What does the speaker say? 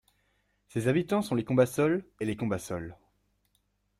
Ses habitants sont les Combassols et les Combassoles.